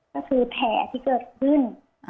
ก็คือแผลที่เกิดขึ้น